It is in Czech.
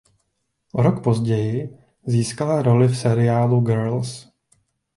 O rok později získala roli v seriálu "Girls".